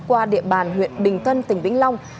qua địa bàn huyện bình tân tỉnh vĩnh long